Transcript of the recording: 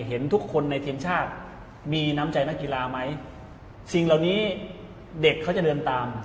เห็นทุกคนในทีมชาติมีน้ำใจนักกีฬาไหมสิ่งเหล่านี้เด็กเขาจะเดินตาม